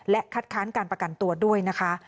คัดค้านการประกันตัวด้วยนะคะ